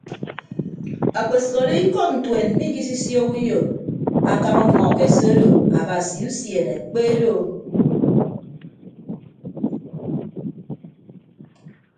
Akpesʌk odo ikọd ntuen mmiikisiooho uyo akam ọmmọ akeseedo abasi usiene kpe doo.